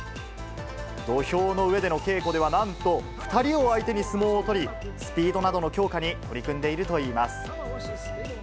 土俵の上での稽古ではなんと、２人を相手に相撲を取り、スピードなどの強化に取り組んでいるといいます。